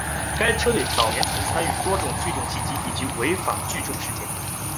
该车队早年曾参与多起聚众袭击以及违法聚赌事件。